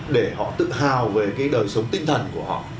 để họ tự hào về cái đời sống tinh thần của họ